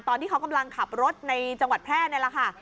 ตอนที่เขากำลังขับรถในจังหวัดแพร่นี่แหละค่ะ